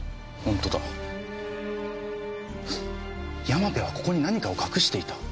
山部はここに何かを隠していた。